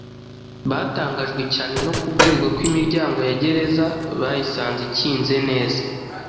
batangajwe cyane no kubwirwa ko imiryango ya gereza bayisanze ikinze neza